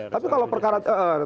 tapi kalau perkara